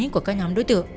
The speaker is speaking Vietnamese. của các nhóm đối tượng